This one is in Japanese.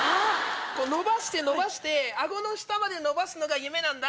伸ばして伸ばして顎の下まで伸ばすのが夢なんだ。